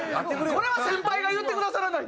これは先輩が言ってくださらないと。